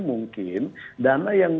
mungkin dana yang